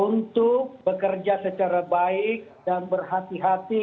untuk bekerja secara baik dan berhati hati